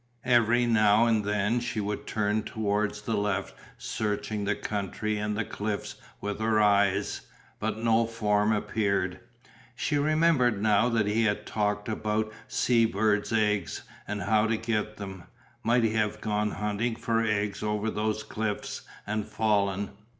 Every now and then she would turn towards the left searching the country and cliffs with her eyes, but no form appeared. She remembered now that he had talked about sea birds' eggs and how to get them. Might he have gone hunting for eggs over those cliffs and fallen?